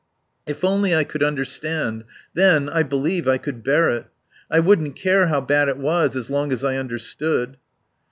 "If only I could understand. Then, I believe, I could bear it. I wouldn't care how bad it was as long as I understood."